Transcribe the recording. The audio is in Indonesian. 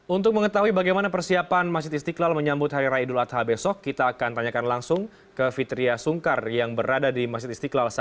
untuk mengetahui bagaimana persiapan masjid istiqlal menyambut hari raya idul adha besok kita akan tanyakan langsung ke fitri